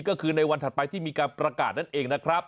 ก็คือในวันถัดไปที่มีการประกาศนั่นเองนะครับ